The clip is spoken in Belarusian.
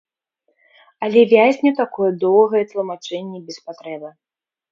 Але вязню такое доўгае тлумачэнне без патрэбы.